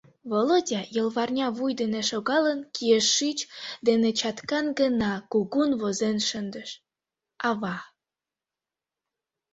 Володя, йолварня вуй дене шогалын, кӱэш шӱч дене чаткан гына кугун возен шындыш: «АВА».